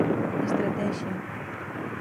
Estratexia.